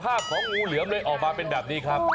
ของงูเหลือมเลยออกมาเป็นแบบนี้ครับ